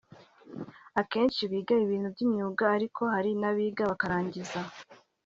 akenshi biga ibintu by’imyuga ariko hari n’abiga bakarangiza